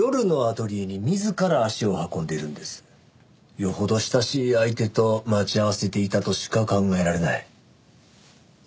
よほど親しい相手と待ち合わせていたとしか考えられない。